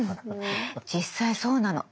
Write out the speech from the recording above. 実際そうなの。